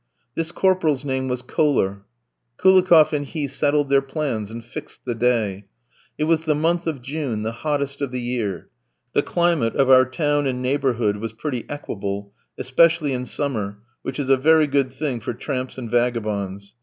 This corporal's name was Kohler. Koulikoff and he settled their plans and fixed the day. It was the month of June, the hottest of the year. The climate of our town and neighbourhood was pretty equable, especially in summer, which is a very good thing for tramps and vagabonds.